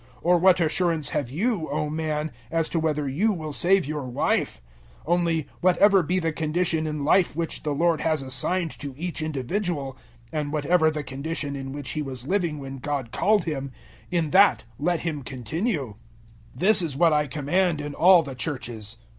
Or what assurance have you, O man, as to whether you will save your wife? 007:017 Only, whatever be the condition in life which the Lord has assigned to each individual and whatever the condition in which he was living when God called him in that let him continue. 007:018 This is what I command in all the Churches.